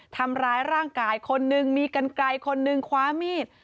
ทำร้ายร่างกายคนหนึ่งมีกันไกลคนนึงคว้ามีด